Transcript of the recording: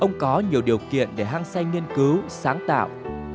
ông có nhiều điều kiện để hăng say nghiên cứu sáng tạo